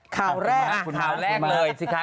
ข่าวแรกนะข่าวแรกเลยสิคะ